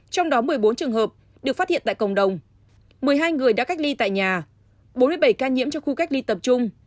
trong đó một mươi bốn trường hợp được phát hiện tại cộng đồng một mươi hai người đã cách ly tại nhà bốn mươi bảy ca nhiễm trong khu cách ly tập trung